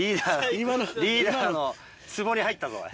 リーダーのツボに入ったぞおい。